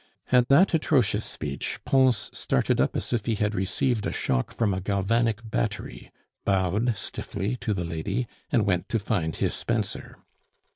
At that atrocious speech Pons started up as if he had received a shock from a galvanic battery, bowed stiffly to the lady, and went to find his spencer.